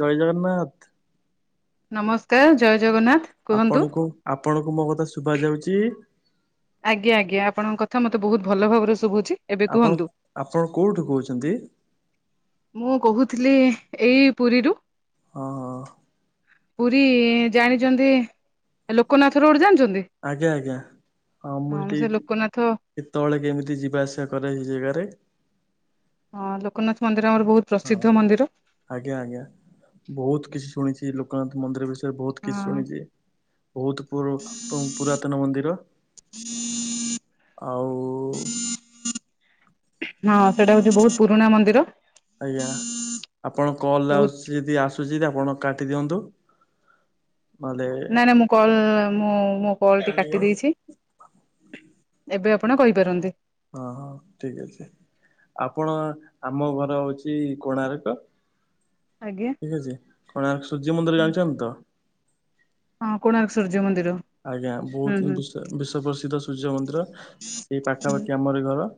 ଜୟ ଜଗନ୍ନାଥ। ନମସ୍କାର ଜୟ ଜଗନ୍ନାଥ କୁହନ୍ତୁ। ଆପଣଙ୍କୁ ଆପଣଙ୍କୁ ମୋ କଥା ଶୁଭ ଯାଉଛି। ଆଜ୍ଞା ଆଜ୍ଞା ଆପଣଙ୍କ କଥା ମତେ ବହୁତ ଭଲ ଭାବରେ ଶୁଭୁଛି। ଏବେ ଆପଣ କୁହନ୍ତୁ। ଆପଣ କୋଉଠୁ କହୁଛନ୍ତି? ମୁଁ କହୁଥିଲି ଏଇ ପୁରୀରୁ। ହଁ। ପୁରୀ ଜାଣିଛନ୍ତି ଲୋକନାଥ ରୋଡ ଜାଣିଛନ୍ତି? ଆଜ୍ଞା ଆଜ୍ଞା ହଁ ମ ସେ ଦେଇ ଯି ଲୋକନାଥ କେତେବେଳେ କେମିତି ଯିବା ଆସିବା କରେ ହେଇ ଜାଗାରେ। ହଁ ଲୋକନାଥ ମନ୍ଦିର ଆମର ବହୁତ ହଁ ପ୍ରସିଦ୍ଧ ମନ୍ଦିର। ଆଜ୍ଞା ଆଜ୍ଞା ବହୁତ କିଛି ଶୁଣିଛି ଲୋକନାଥ ମନ୍ଦିର ବି ସେ ବହୁତ କିଛି ହଁ ଶୁଣିଛି ବହୁତ ପ ପୁରାତନ ମନ୍ଦିର। ଆଉ। ହଁ ସେଇଟା ହଉଛି ବହୁତ ପୁରୁଣା ମନ୍ଦିର। ଆଜ୍ଞା ଆପଣ କଲ୍ ବହୁତ ଆସୁଚି ଯଦି ଆସୁଛି ଆପଣ କାଟିଦିଅନ୍ତୁ। ନାଇଁ ନା ମୁଁ କଲ ମୁଁ ମୋ କଲ ଟି କାଟି ଦେଇଛି। ଏବେ ଆପଣ କହିପାରନ୍ତି। ହଁ ଠିକ ଅଛି। ଆପଣ ଆମ ଘର ହଉଛି କୋଣାର୍କ। ଆଜ୍ଞା। ଠିକ୍ ଅଛି କୋଣାର୍କ ସୂର୍ଯ୍ୟ ମନ୍ଦିର ଜାଣିଛନ୍ତି ତ? ହଁ କୋଣାର୍କ ସୂର୍ଯ୍ୟମନ୍ଦିର। ଆଜ୍ଞା ବହୁତ ବିଶ୍ଵ ବିଶ୍ଵ ପ୍ରସିଦ୍ଧ ସୂର୍ଯ୍ୟ ମନ୍ଦିର। ସେଇ ହୁଁ, ପାଖାପାଖି ଆମରି ଘର।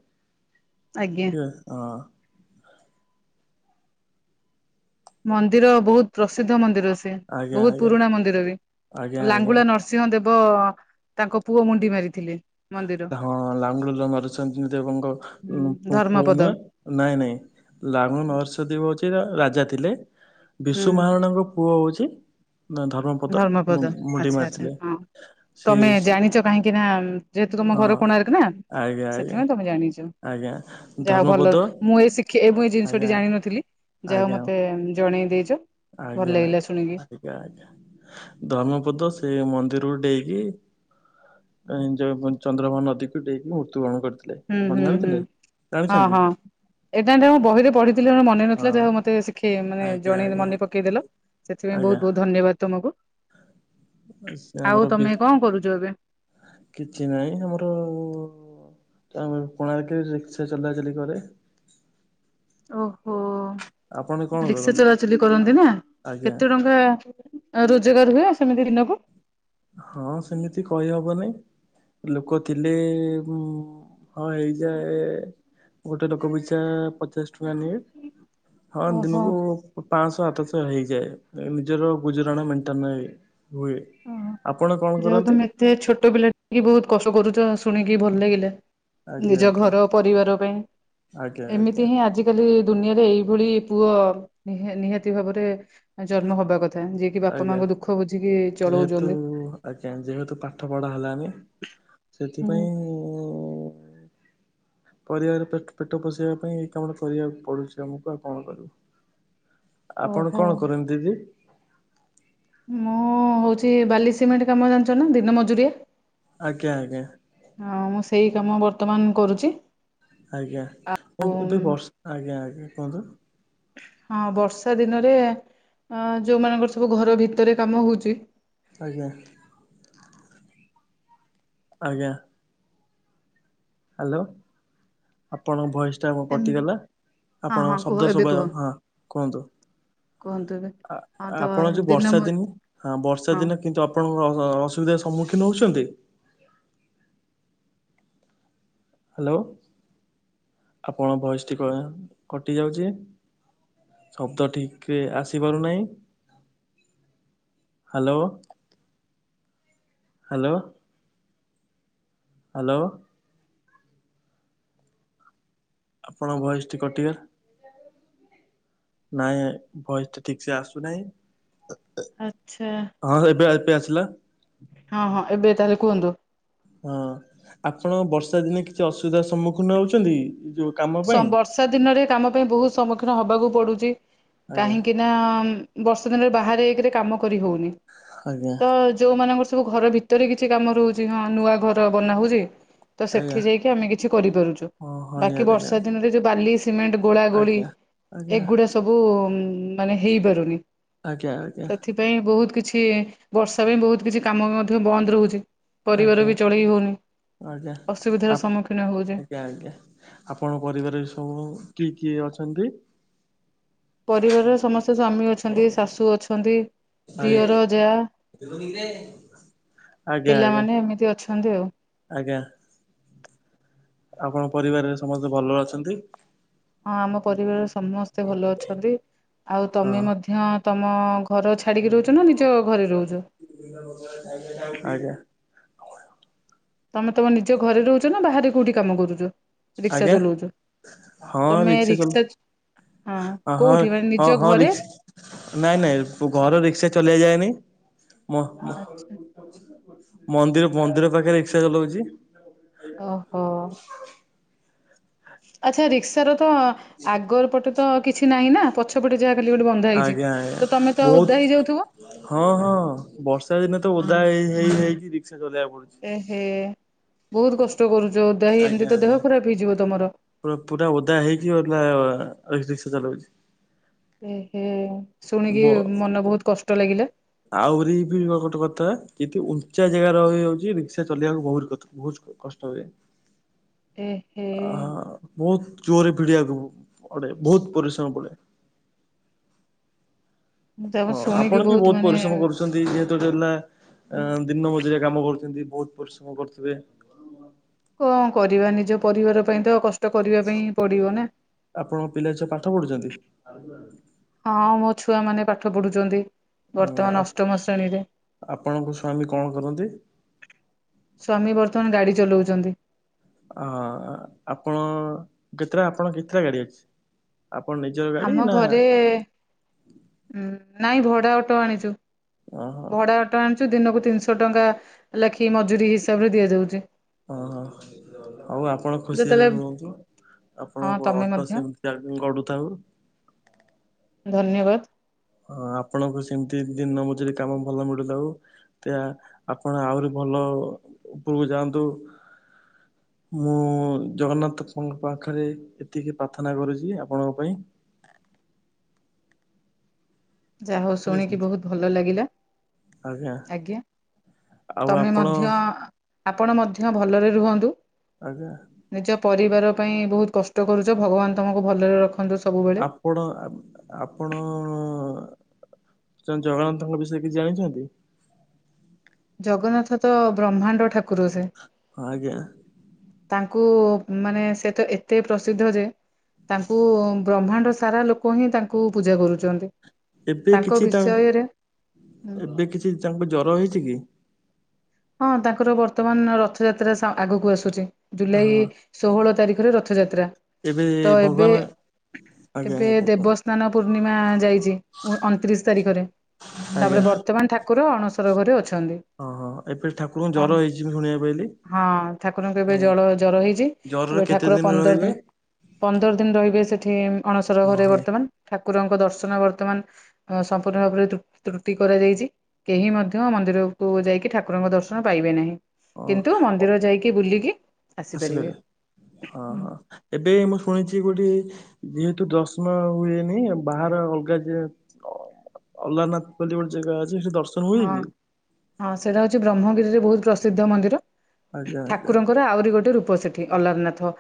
ଆଜ୍ଞା। କେ ହଁ। ମନ୍ଦିର ବହୁତ ପ୍ରସିଦ୍ଧ ମନ୍ଦିର ସେ ଆଜ୍ଞା ବହୁତ, ଆଜ୍ଞା ପୁରୁଣା ମନ୍ଦିର ବି ଆଜ୍ଞା ଆଜ୍ଞା। ଲାଙ୍ଗୁଳା ନ ସିଂହ ଦେବ ତାଙ୍କ ପୁଅ ମୁଣ୍ଡି ମାରିଥିଲେ। ମନ୍ଦିର। ହଁ ଲାଙ୍ଗୁଳ ନରସିଂହ ଦେବଙ୍କ ହୁଁ ପୁଅ ଧର୍ମପଦ ନୁହେଁ ନାଇଁ ନାଇଁ ଲାଙ୍ଗୁଳ ନରସିଂହ ଦେବ ହେଉଛି ରାଜା ଥିଲେ, ହୁଁ ବିଶୁ ମହାରଣାଙ୍କ ପୁଅ ହଉଛି ନା ଧର୍ମପଦ ମୁଣ୍ଡି ଆଚ୍ଛା ଆଚ୍ଛା ମାରିଥିଲେ ସେ କି ନା ଉଁ ଯେହେତୁ ତମ ହଁ ଘର କୋଣାର୍କ ନା ଆଜ୍ଞା ଆଜ୍ଞା ସେଥିପାଇଁ ତମେ ଜାଣିଛ, ଆଜ୍ଞା ଯାହା ହଉ ଧର୍ମପଦ ଭଲ ମୁଁ ଏ ଶି ଏ ମୁଁ ଏ ଜିନିଷଟି ଆଜ୍ଞା ଜାଣିନଥିଲି ଯାହା ହଉ ଆଜ୍ଞା ମତେ ଜଣେଇ ଦେଇଛ। ଭଲ ଆଜ୍ଞା ଲାଗିଲା ଶୁଣିକି ଆଜ୍ଞା ଆଜ୍ଞା ଧର୍ମପଦ ସେ ମନ୍ଦିରକୁ ଡେଇଁକି ଚନ୍ଦ୍ରଭୋନ ନଦୀକୁ ଡେଇଁକି ମୃତ୍ୟୁବରଣ କରିଥିଲେ ହୁଁ ଆପଣ ଜାଣିଥିଲେ, ଜାଣିଛନ୍ତି? ଏଟା ଏଟାଁ ମୁଁ ବହିରେ ପଢିଥିଲି ଜଣେ ମ ମନେ ହଁ ନଥିଲା ଯାହା ହଉ ମତେ ଶିଖେଇ ମାନେ ଆଜ୍ଞା ଜଣେଇ ଆଜ୍ଞା ମନେ ପକେଇଦେଲ ସେଥିପାଇଁ ଆଜ୍ଞା ବହୁତ ବହୁତ ଧନ୍ୟବାଦ ତମକୁ। ସେ ଆମର ଆଉ ବି ତମେ କଣ କରୁଛ ଏବେ? କିଛି ନାହିଁ ଆମର କେଣାର୍କରେ ରିକ୍ସା ଚଲାଚଲି କରେ। ଓହୋ ଆପଣ କଣ ରିକ୍ସା କରନ୍ତି? ଚଲାଚଲି କରନ୍ତି ନା ଆଜ୍ଞା କେତେ ଟଙ୍କା ରୋଜଗାର ହୁଏ ସେମିତି ଦିନକୁ? ହଁ ସେମିତି କହିହବନାଇଁ। ଲୋକ ଥିଲେ ହଁ ହେଇଯାଏ ଗୋଟେ ଲୋକପିଛା ପଚାଶ ଟଙ୍କା ନିଏ, ହଁ ଓହୋ ଦିନକୁ ପାଂଶହ, ଆଠଶ ହେଇଯାଏ ନିଜର ଗୁଜୁରାଣ ମେଣ୍ଟେନେ ହୁଏ।। ଓହୋ ଆପଣ କଣ ଯା ହଉ କରନ୍ତି? ତମେ ଏତେ ଛୋଟୋ ପିଲା ଟ ବୋହୁତ କଷ କରୁଚ ଶୁଣିକି ଭଲ ଲାଗିଲା। ଆଜ୍ଞା ନିଜ ଆଜ୍ଞା ଘର ପରିବାର ପାଇଁ, ଆଜ୍ଞା ଆଜ୍ଞା ଏମିତି ହିଁ ଆଜି ଆଜି କାଲି ଦୁନିଆରେ ଏଇଭଳି ପୁଅ ନିହା ନିହାତି ଭାବରେ ଜନ୍ମ ହବା କଥା। ଯିଏ କିି ବାପା ଆଜ୍ଞା। ମାଙ୍କ ଦୁଃଖ ବୁଝିକି ଯେହେତୁ ଚଳଉଛନ୍ତି। ଆଜ୍ଞା ଯେହେତୁ ପାଠ ପଢା ହେଲାନି। ହୁଁ ସେଥିପାଇଁ ଉଁ ପରିବାର ପେଟ୍ ପେଟ ପୋଷେଇବା ପାଇଁ ଏଇ କାମଟା କରିବାକୁ ପଡୁଚି ଆମୁକୁ ଆଉ କଣ କରିବୁ। ଆପଣ ଓହୋ କଣ କରନ୍ତି ଦିଦି? ମୁଁ ହଉଚି ବାଲି, ସିମେଣ୍ଟ କାମ ଜାଣଚ ନା ଦିନ ମଜୁରିଆ। ଆଜ୍ଞା, ଆଜ୍ଞା। ଅଁ, ମୁଁ ସେଇ କାମ ବର୍ତ୍ତମାନ କରୁଚି। ଆଜ୍ଞା। ଆମ ଏବେ ବର୍ଷ ଆଜ୍ଞା, ଆଜ୍ଞା କୁହନ୍ତୁ? ହଁ, ବର୍ଷା ଦିନରେ ଯୋଉମାନଙ୍କର ସବୁ ଘର ଭିତରେ କାମ ହୋଉଚି ଆଜ୍ଞା। ଆଜ୍ଞା। ହାଲୋ, ଆପଣଙ୍କ ଭଏସ ଟା କଣ ଏମି କଟିଗଲା। ହଁ ଆପଣଙ୍କ ହଁ କୁହ ଶବ୍ଦ ଏବେ ଶୁଭା କୁହ ଜାଉନି। ହଁ, କୁହନ୍ତୁ? କୁହନ୍ତୁ ଏବେ ହଁ ତ ଆପଣ ଯୋଉ ଦିନ ବର୍ଷା ମୁଁ ଦିନେ ହଁ, ବର୍ଷା ହଁ ଦିନ କିନ୍ତୁ ଆପ ଆପଣଙ୍କ ଅ ଅ ଅସୁବିଧାର ସମ୍ମୁଖୀନ ହୋଉଚନ୍ତି? ହାଲୋ ଆପଣ ଭଏସ୍ ଟି କଣ କଟିଯାଉଚି। ଶବ୍ଦ ଠିକରେ ଆସିପାରୁନାହିଁ। Hello hello. ହାଲୋ। ଆପଣଙ୍କ ଭଏସ ଟି କଟିଆ ନାଇଁ, ଭଏସ୍ ଟି ଠିକ ସେ ଆସୁନାଇଁ। ଆଚ୍ଛା [inaudible] ହଁ, ଏବେ ଏବେ ଆସିଲା। ହଁ ହଁ ଏବେ ତାହେଲେ କୁହନ୍ତୁ। ହଁ, ଆପଣ ବର୍ଷା ଦିନେ କିଛି ଅସୁଇଧାର ସମ୍ମୁଖୀନ ହୋଉଚନ୍ତି କି? ଏଇ ଯୋଉ କାମ ପାଇଁ ସମ୍ ବର୍ଷା ଦିନରେ କାମ ପାଇଁ ବୋହୁତ ସମ୍ମୁଖୀନ ହବାକୁ ପଡୁଚି। ଆଜ୍ଞା କାହିଁକି? ଇନା ବର୍ଷା ଦିନରେ ବାହାରେ ଏକ ରେ କାମ କରି ହଉନି। ଆଜ୍ଞା ଯୋଉ ମାନଙ୍କର ସବୁ ଘର ଭିତରେ କିଛି କାମ ରୋହୁଚି ହଁ ନୂଆ ଘର ବନା ହୋଉଚି। ତ ଆଜ୍ଞା ସେଠି ଯାଇକି ଆମେ କିଛି କରିପାରୁଚୁ। ହଁ ହଁ କି ନିହାତି ବର୍ଷା ନିହାତି ଦିନରେ ଯୋଉ ବାଲି, ସିମେଣ୍ଟ ଗୋଳା ଗୋଳି ଆଜ୍ଞା ଆଜ୍ଞା ଏଗୁଡା ସ ସବୁ ମାନେ ହେଇପାରୁନି। ଆଜ୍ଞା, ଆଜ୍ଞା। ପାଇଁ ବୋହୁତ କିଛି ବର୍ଷା ପାଇଁ ବୋହୁତ କିଛି କାମ ମଧ୍ୟ ବନ୍ଦ ରୋହୁଚି। ପରିବାର ଆଜ୍ଞା ବି ଚଳେଇ ହୋଉନି। ଆଜ୍ଞା ଆ ଅସୁବିଧାର ସମ୍ମୁଖୀନ ହୋଉଚେ। ଆଜ୍ଞା, ଆଜ୍ଞା। ଆପଣଙ୍କ ପରିବାରରେ ସବୁ କିଏ କିଏ ଅଛନ୍ତି? ପରିବାର ରେ ସମସ୍ତେ ସ୍ଵାମୀ ଅଛନ୍ତି, ଶାଶୁ ଅଛନ୍ତି। ଆଇ- ଦିଅର, ଯା, ଆଜ୍ଞା ଆଜ୍ଞା ପିଲାମାନେ ଏମିତି ଅଛନ୍ତି ଆଉ। ଆଜ୍ଞା। ଆପଣଙ୍କ ପରିବାର ରେ ସମସ୍ତେ ଭଲ ରେ ଅଛନ୍ତି। ହଁ, ଆମ ପରିବାର ରେ ସମସ୍ତେ ଭଲ ଅଛନ୍ତି। ଆଉ ତମେ ହଁ ମଧ୍ୟ ତମ ଘର ଛାଡିକି ରୋଉଚ ନା ନିଜ ଘରେ ରୋଉଚ? ଆଜ୍ଞା। ତମେ ତମ ନିଜ ଘରେ ରୋଉଚ ନା ବାହାରେ କୋଉଠି କାମ କରୁଚ? ଆଜ୍ଞା! ହଁ, ରିକ୍ସା ଚଲ ହଁ ହ ହଁ କୋଉଠି ମାନେ ନିଜ ହଁ ହଁ ଘରେ? ରିକ୍ସା ନାଇଁ ନାଇଁ ଘର ରିକ୍ସା ଚଲେଇଆ ଯାଏନି। ମ ମ ଆଛା ମନ୍ଦିର, ମନ୍ଦିର ପାଖେରେ ରିକ୍ସା ଚଲଉଚି। ଓହୋ ଆଚ୍ଛା ରିକ୍ସ ର ତ ଆଗ ପଟେ ତ କିଛି ନାହିଁ ନା ପଛ ପଛପଟେ ଯାହା ଖାଲି ଗୋଟେ ବନ୍ଧା ହେଇଛି ଆଜ୍ଞା ଆଜ୍ଞା ତମେ ତ ଓଦା ବହୁତ ହେଇଯାଉଥିବ। ହଁ ହଁ ବର୍ଷା ଦିନେ ତ ଓଦା ହେଇ ହେଇ କି ରିକ୍ସା ଚଲେଇବାକୁ ପଡୁଛି। ଏ ଏ ବହୁତ କଷ୍ଟ କରୁଛ ଓଦା ହେଇ ଆଜ୍ଞା ଏମିତି ତ ଆଜ୍ଞା ଦେହ ଖରାପ ହେଇଯିବ ତମର। ପୁରା ପୁରା ଓଦା ହେଇକି ରିକ୍ସା ଚଲାଉଛି। ବ ଶୁଣିକି ମନ ବହୁତ କଷ୍ଟ ଲାଗିଲା। ଆହୁରି ବି ଗୋଟେ କଥା ଏଇ ଯୋଉ ଉଞ୍ଚା ଜାଗା ରହିଯାଉଛି ରିକ୍ସା ଚଲେଇିବାକୁ ବହୁତ ବହୁ କଷ୍ଟ। କଷ୍ଟ ହୁଏ। ଏ ହେ ବହୁତ ଜୋରେ ଭିଡିିବାକୁ ପଡେ ବହୁତ ପରିଶ୍ରମ ପଡେ। ତାକୁ ହଁ ଶୁଣିକି ଆପଣ ବି ବହୁତ ମାନେ ପରିଶ୍ରମ କରୁଛନ୍ତି। ଯେହେତୁ ହେଲା ଦିନ ମଜୁରୀ କାମ କରୁଛନ୍ତି ବହୁତ ପରିଶ୍ରମ କରୁଥିବେ। କଣ କରିବା ନିଜ ପରିବାର ପାଇଁ ତ କଷ୍ଟ କରିବା ପାଇଁ ପଡିବ ନା। ଆପଣଙ୍କ ପିଲା ଛୁଆ ପାଠ ପଢୁଛନ୍ତି। ହଁ ମୋ ଛୁଆମାନେ ପାଠ ପଢୁଛନ୍ତି। ବର୍ତ୍ତମାନ ଅଷ୍ଟମ ଶ୍ରେଣୀରେ। ଆପଣଙ୍କ ସ୍ଵାମୀ କଣ କରନ୍ତି? ସ୍ୱାମୀ ବର୍ତ୍ତମାନ ଗାଡି ଚଲାଉଛନ୍ତି। ହଁ ଆପଣ କେତେଟା ଆପଣ କେତେଟା ଗାଡି ଅଛି? ଆପଣ ନିଜର ଆମ ଗାଡି ନା ଘରେ ନାଇଁ ଭଡା ଅଟୋ ଆଣିଛୁ ଓହୋ ଭଡା ଅଟ। ଆଣିଛୁ ଦିନକୁ ତିନିଶହ ଟଙ୍କା ଲେଖି ମଜୁରୀ ହିସାବରେ ଦିଆଯାଉଛି। ହଁ ହଁ ହଉ ଆପଣ ଖୁସିରେ ଯେତେବେଳେ ରୁହନ୍ତୁ ହଁ ଆପଣଙ୍କ ତମେ ଅଟୋ ମଧ୍ୟ ସେମିତି ଗଢୁଥାଉ। ଧନ୍ୟବାଦ। ହଁ ଆପଣଙ୍କୁ ସେମିତି ଦିନ ମଜୁରୀ କାମ ଭଲ ମିଳୁଥାଉ। ଆପଣ ଆହୁରି ଭଲ ଉପରକୁ ଯାଆନ୍ତୁ। ମୁଁ ଜଗନ୍ନାଥଙ୍କ ପାଖରେ ଏତିକି ପ୍ରାର୍ଥନା କରୁଛି ଆପଣଙ୍କ ପାଇଁ। ଯାହା ହଉ ଠିକ ଅଛି ଶୁଣିକି ବହୁତ ଭଲ ଲାଗିଲା। ଆଜ୍ଞା ଆଉ ତମେ ଆପଣ ମଧ୍ୟ ଆପଣ ମଧ୍ୟ ଭଲରେ ରୁହନ୍ତୁ। ଆଜ୍ଞା। ନିଜ ପରିବାର ପାଇଁ ବହୁତ କଷ୍ଟ କରୁଛ ଭଗବାନ ତମକୁ ଭଲରେ ରଖନ୍ତୁ। ସବୁବେଳେ ଆପ ଆପଣ ଆପଣ ଜଗନ୍ନାଥଙ୍କ ବିଷୟରେ କିଛି ଜାଣିଛନ୍ତି। ଜଗନ୍ନାଥ ତ ବ୍ରହ୍ମାଣ୍ଡ ଠାକୁର ସେ। ଆଜ୍ଞା ତାଙ୍କୁ ମାନେ ସେ ତ ଏତେ ପ୍ରସିଦ୍ଧ ଯେ ତାଙ୍କୁ ବ୍ରହ୍ମାଣ୍ଡର ସାରା ଲୋକ ହିଁ ତାଙ୍କୁ ପୂଜା କରୁଛନ୍ତି। ଏବେ ତାଙ୍କ କିଛି ତା ବିଷୟରେ ଏବେ କିଛି ତାଙ୍କୁ ଜର ହେଇଛି କି? ହଁ ତାଙ୍କର ବର୍ତ୍ତମାନ ରଥଯାତ୍ରା ଆଗକୁ ଆସୁଛି। ଜୁଲାଇ ହଁ ଷୋହଳ ତାରିଖରେ ରଥଯାତ୍ରା ଏବେ ତ ଏବେ ଭଗବାନ ଆଜ୍ଞା ଆଜ୍ଞା। ସ୍ନାନ ପୂର୍ଣ୍ଣିମା ଯାଇଛି ଅଣତିରିଶ ତାରିଖରେ ଆଜ୍ଞା। ତାପରେ ବର୍ତ୍ତମାନ ଠା ଠାକୁର ଅଣସର ଘରେ ଅଛନ୍ତି। ଓହ୍ ଏବେ ଠାକୁରଙ୍କୁ ଜ୍ୱର ହେଇଛି ମୁ ଶୁଣିବାକୁ ପାଇଁଲି। ହଁ ଠାକୁରଙ୍କୁ ଏବେ ଜଳ ଜର ହେଇଛି ଜରରେ ଏବେ କେତେ ଠାକୁର ପନ୍ଦର ରହିବେ? ଦିନ ପନ୍ଦର ଦିନ ରହିବେ ସେଠି ଅଣସର ଘରେ ଓହୋ ବର୍ତ୍ତମାନ ଠାକୁରଙ୍କ ଦର୍ଶନ ବର୍ତ୍ତମାନ ସମ୍ପୂର୍ଣ୍ଣ ଭାବରେ ତ୍ରୁଟି କରାଯାଇଛି କେହି ମଧ୍ୟ ମନ୍ଦିରକୁ ଯାଇକି ଠାକୁ ଠାକୁରଙ୍କ ଦର୍ଶନ ପାଇବେ ନାହିଁ। ଅ କିନ୍ତୁ ମନ୍ଦିର ଯାଇକି ବୁଲିକି ଆସିପାରିବେ। ହଁ ହଁ ଏବେ ମୁଁ ଶୁଣିଛି ଗୋଟେ ଯେହେତୁ ଦର୍ଶନ ହୁଏନି ବାହାର ଅଲଗା ଯେ ଅଲାନାଥ ବୋଲି ଗୋଟେ ଯେଗା ଅଛି ସେଠି ଦର୍ଶନ ହୁଏ ହଁ କି? ହଁ ସେଇଟା ହଉଛି ବ୍ରହ୍ମଗିରିରେ ବହୁତ ପ୍ରସିଦ୍ଧ ମନ୍ଦିର ଆଜ୍ଞା ଆଜ୍ଞା ଠାକୁରଙ୍କ ଙ୍କର ଆହୁରି ଗୋଟେ ରୂପ ସେଠି ଅଲାରନାଥ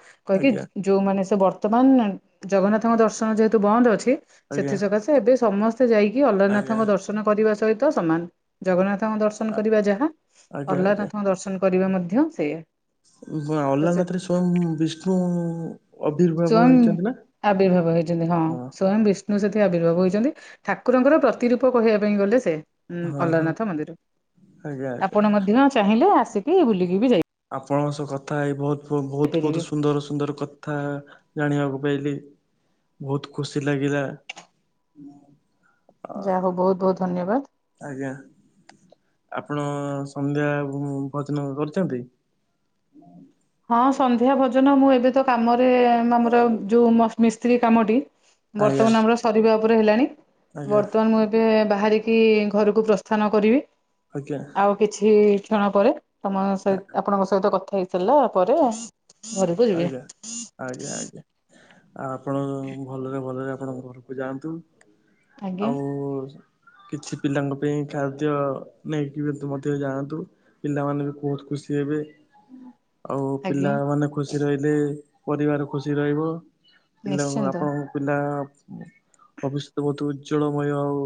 ଆଜ୍ଞା କହିକି ଯଉମାନେ ସେ ବର୍ତ୍ତମାନ ଜଗନ୍ନାଥଙ୍କ ଦର୍ଶନ ଯେହେତୁ ବନ୍ଦ ଅଛି ଆଜ୍ଞା ସେଥି ସକାଶେ ଏବେ ସମସ୍ତେ ଯାଇକି ଆଜ୍ଞା। ଅଲାରନାଥଙ୍କ ଦର୍ଶନ କରିବା ସହିତ ସମାନ ଜଗନ୍ନାଥଙ୍କ ଦର୍ଶନ କରିବା ଯାହା ଆଜ୍ଞା ଆଜ୍ଞା ଅହ୍ଲାରନାଥଙ୍କ ଦର୍ଶନ କରିବା ମଧ୍ୟ ସେଇୟା। ଅଲନାଥ ରେ ସ୍ଵୟଂ ବିଷ୍ଣୁ ଅବିର୍ଭାବ ସ୍ଵୟଂ ହେଇଛନ୍ତି ନା। ଆବିର୍ଭାବ ହେଇଛନ୍ତି ହଁ ସ୍ଵୟଂ ବିଷ୍ଣୁ ସେଥିି ଆବିର୍ଭବ ହେଇଛନ୍ତି ଠାକୁରଙ୍କର ପ୍ରତି ରୂପ କହିବା ପାଇଁ ଗଲେ ସେ। ଉଁ ହଁ ହଁ ଅଲରନାଥ ମନ୍ଦିର ଆଜ୍ଞା ଆଜ୍ଞା। ଆପଣ ମଧ୍ୟ ଚାହିଁଲେ ଆସିକି ବୁଲିକି ବି ଯାଇ ଆପଣଙ୍କ ସହ କଥା ହେଇ ବହୁତ ବହୁତ ବହୁତ ଯାଇପାରିବେ ସୁନ୍ଦର ସୁନ୍ଦର କ କଥା ଜାଣିବାକୁ ପାଇଲି ବହୁତ ଖୁସି ଲାଗିଲା। ହଁ। ଯାହା ହଉ ବହୁତ ବହୁତ ଧନ୍ୟବାଦ। ଆଜ୍ଞା ଆପଣ ସନ୍ଧ୍ୟା ଭଜନ କରିଛନ୍ତି। [inaudible] ହଁ ସନ୍ଧ୍ୟା ଭୋଜନ ମୁଁ ଏବେ ତ କାମରେ ଆମର ଯୋଉ ମ ମିସ୍ତ୍ରୀ କାମଟି ଆଜ୍ଞା ବର୍ତ୍ତମାନ ଆମର ସରିବା ଉପରେ ହେଲାଣି ଆଜ୍ଞା ବର୍ତ୍ତମାନ ମୁଁ ଏବେ ବାହାରିକି ଘରକୁ ପ୍ରସ୍ଥାନ କରିବି। ଆଜ୍ଞା। ଆଉ କିଛି କ୍ଷଣ ପରେ ତମ ସ ଆପଣଙ୍କ ସହିତ କଥା ହେଇ ସାରିଲା ପରେ। ଘରକୁ ଯିବେ ଆଜ୍ଞା ଆଜ୍ଞା ଆଜ୍ଞା। ଆ ଆପଣ ଭଲରେ ଭଲରେ ଆପଣଙ୍କ ଘରକୁ ଯାଆନ୍ତୁ। ଆଉ ଆଜ୍ଞା କିଛି ପିଲାଙ୍କ ପାଇଁ ଖାଦ୍ୟ ନେଇକି ବି ମଧ୍ୟ ଯାଆନ୍ତୁ। ପିଲାମାନେ ବି ବହୁତ ଖୁସି ହେବେ। ଆଉ ଆଜ୍ଞା ପିଲାମାନେ ଖୁସି ରହିଲେ ପରିବାର ଖୁସି ରହିବ। ପିଲା ନ ନିଶ୍ଚିନ୍ତ ଆପଣଙ୍କ ପିଲା ଭବିଷ୍ୟତ ବହୁତ ଉଜ୍ଜଳମୟ ହଉ।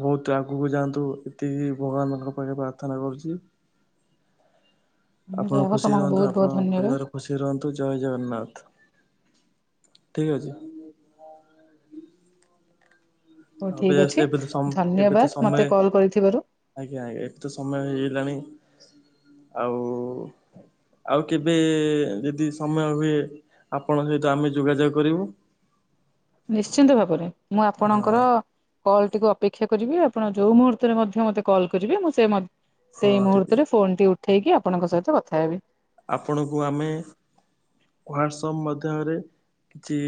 ବହୁତ ଆଗକୁ ଯାଆନ୍ତୁ ଏତିକି ଭଗବାନଙ୍କ ପାଖେ ପ୍ରାର୍ଥନା କରୁଛି। ଆପଣ ଯାହା ହଉ ଖୁସି ତମକୁ ରୁହନ୍ତୁ ବହୁତ ବହୁତ ଆପଣ ଧନ୍ୟବାଦ ଖୁସିରେ ରୁହନ୍ତୁ ଜୟ ଜଗନ୍ନାଥ ଠିକ ଅଛି। ହଉ ହଁ ଠିକ ବେସ୍ ଅଛି ଏବେ ତ ସମ୍ ଏବେ ଧନ୍ୟବାଦ ତ ସମୟ ମତେ କଲ୍ କରିଥିବାରୁ ଆଜ୍ଞା ଆଜ୍ଞା ଏବେ ତ ସମୟ ହେଇଗଲାଣି ଆଉ ଆଉ କେବେ ଯଦି ସମୟ ହୁଏ ଆପଣଙ୍କ ସହିତ ଆମେ ଯୋଗାଯୋଗ କରିବୁ। ନିଶ୍ଚିନ୍ତ ଭାବରେ ମୁଁ ହଁ ଆପଣଙ୍କର କଲ୍ ଟିକୁ ଅପେକ୍ଷା କରିବି ଆପଣ ଯୋଉ ମୁହୂର୍ତ୍ତରେ ମଧ୍ୟ ମୋତେ କଲ୍ କରିବେ ମୁଁ ସେ ହଁ ସେଇ ଠିକ ମୁହୂର୍ତ୍ତ ରେ ଫୋନ ଟି ଉଠେଇକି ଆପଣଙ୍କ ସହିତ କଥା ହେବି। ଆପଣଙ୍କୁ ଆମେ ହ୍ୱାଟସ୍ପ ମାଧ୍ୟମରେ କିଛି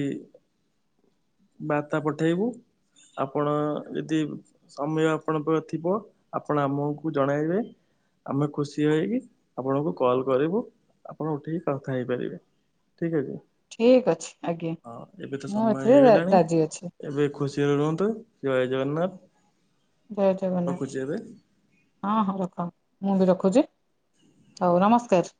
ବାର୍ତ୍ତା ପଠେଇବୁ ଆପଣ ଯଦି ସମୟ ଆପଣଙ୍କ ର ଥିବ ଆପଣ ଆମକୁ ଜଣାଇବେ। ଆମେ ଖୁସି ହୋଇ ଆପଣଙ୍କୁ କଲ୍ କରିବୁ। ଆପଣ ଉଠେଇକି କଥା ହେଇପାରିବେ ଠିକ ଅଛି। ଠିକ ଅଛି ଆଜ୍ଞା ହଁ ଏବେ ତ ମୁଁ ସମୟ ଏଥିରେ ହେଇଗଲାଣି। ରାଜି ଅଛି। ଏବେ ଖୁସିରେ ରୁହନ୍ତୁ ଜୟ ଜଗନ୍ନାଥ। ଜୟ ରଖୁଛି ଜଗନ୍ନାଥ। ଏବେ। ହଁ ହଁ ରଖ ମୁଁ ବି ରଖୁଛି ହଉ ନମସ୍କାର।